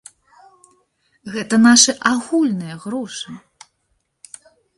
Гэта нашы агульныя грошы.